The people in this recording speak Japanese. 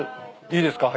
いいですか？